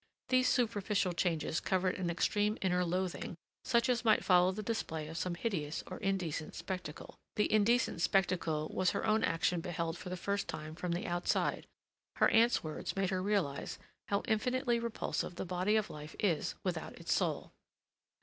These superficial changes covered an extreme inner loathing such as might follow the display of some hideous or indecent spectacle. The indecent spectacle was her own action beheld for the first time from the outside; her aunt's words made her realize how infinitely repulsive the body of life is without its soul.